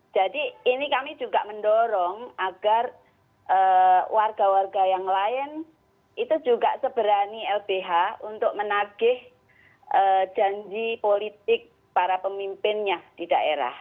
jadi ini kami juga mendorong agar warga warga yang lain itu juga seberani lbh untuk menageh janji politik para pemimpinnya di daerah